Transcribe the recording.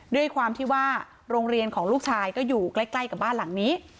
ด้วยความที่ว่าโรงเรียนของลูกชายก็อยู่ใกล้กับบ้านหลังนี้